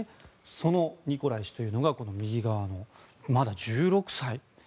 そのニコライ氏というのが右側の人物でまだ１６歳。